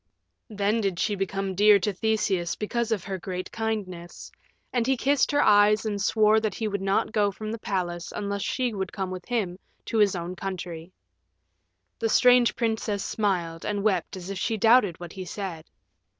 Then did she become dear to Theseus because of her great kindness, and he kissed her eyes and swore that he would not go from the palace unless she would come with him to his own country. The strange princess smiled and wept as if she doubted what he said.